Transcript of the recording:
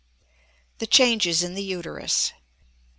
THE CHANGES IN THE UTERUS.